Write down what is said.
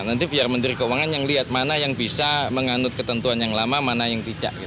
nanti biar menteri keuangan yang lihat mana yang bisa menganut ketentuan yang lama mana yang tidak